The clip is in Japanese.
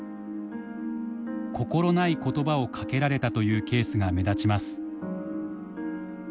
心ない言葉をかけられたというケースが目立ちます。